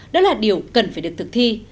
đó là điều cần phải được thực thi